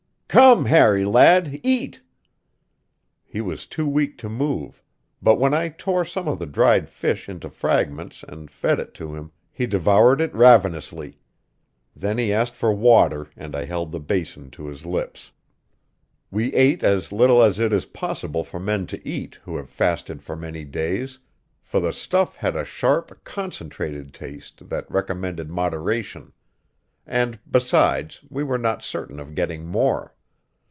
"Come, Harry lad; eat!" He was too weak to move; but when I tore some of the dried fish into fragments and fed it to him he devoured it ravenously. Then he asked for water, and I held the basin to his lips. We ate as little as it is possible for men to eat who have fasted for many days, for the stuff had a sharp, concentrated taste that recommended moderation. And, besides, we were not certain of getting more.